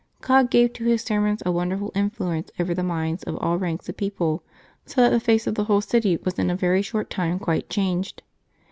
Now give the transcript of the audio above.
God gave to his sermons a wonderful influence over the minds of all ranks of people ; so that the face of the whole city was in a very short time quite changed.